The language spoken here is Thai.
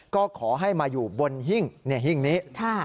ก็ขอให้มาอยู่บนหิ้งนี้